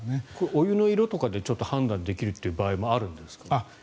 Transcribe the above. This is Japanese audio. お湯の色とかで判断できるという場合もあるんですか？